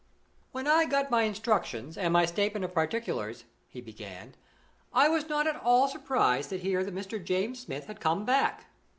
"When I got my instructions and my statement of particulars," he began, "I was not at all surprised to hear that Mr. James Smith had come back.